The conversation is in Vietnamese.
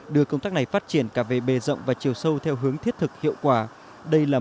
đưa công tác này phát triển cả về bề rộng và chiều sâu theo hướng thiết thực hiệu quả đây là